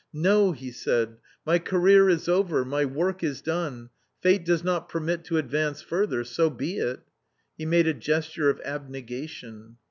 " No," he said, " my career is over ! My work is done ; Fate does not permit to advance further — so be it !" He made a gesture of abnegation.